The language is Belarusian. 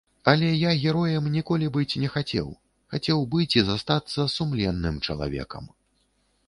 Але я героем ніколі быць не хацеў, хацеў быць і застацца сумленным чалавекам.